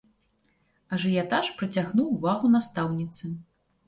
Ажыятаж прыцягнуў увагу настаўніцы.